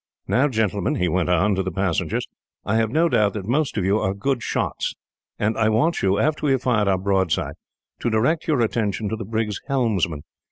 "Now, gentlemen," he went on, to the passengers, "I have no doubt that most of you are good shots, and I want you, after we have fired our broadside, to direct your attention to the brig's helmsmen.